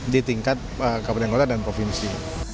di tingkat kabupaten kota dan provinsi